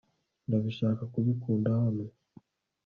ndabishaka kubikunda hano